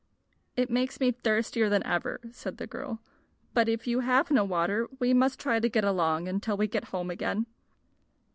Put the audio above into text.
"It makes me thirstier than ever," said the girl. "But if you have no water we must try to get along until we get home again."